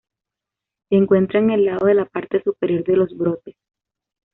Se encuentra en el lado de la parte superior de los brotes.